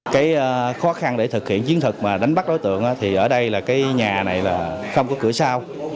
cái khó khăn để thực hiện chiến thuật mà đánh bắt đối tượng thì ở đây là cái nhà này là không có cửa sao